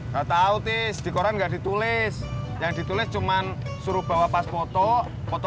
kata autis di koran nggak ditulis yang ditulis cuman suruh bawa pas foto foto